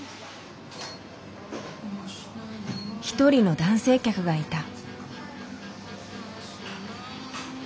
一人の男性客がいた。